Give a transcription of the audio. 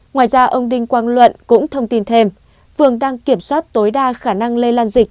ngoài ra ông đinh quang luận cũng thông tin thêm phường đang kiểm soát tối đa khả năng lây lan dịch